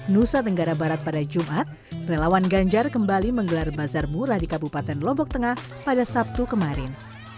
nusa tenggara barat pada jumat relawan ganjar kembali menggelar bazar murah di kabupaten lombok tengah pada sabtu kemarin